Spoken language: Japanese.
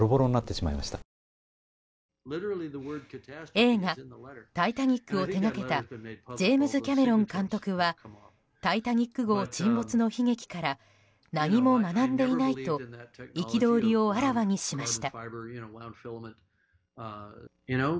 映画「タイタニック」を手掛けたジェームズ・キャメロン監督は「タイタニック号」沈没の悲劇から何も学んでいないと憤りをあらわにしました。